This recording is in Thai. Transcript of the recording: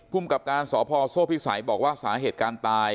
กับการสพโซ่พิสัยบอกว่าสาเหตุการณ์ตาย